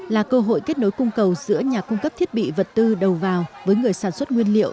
là cơ hội kết nối cung cầu giữa nhà cung cấp thiết bị vật tư đầu vào với người sản xuất nguyên liệu